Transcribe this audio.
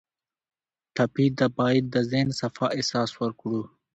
ټپي ته باید د ذهن صفا احساس ورکړو.